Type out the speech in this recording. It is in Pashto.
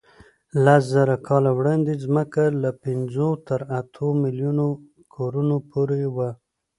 له لسزره کاله وړاندې ځمکه له پینځو تر اتو میلیونو کورونو کوربه وه.